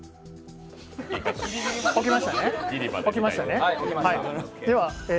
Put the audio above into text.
起きましたね。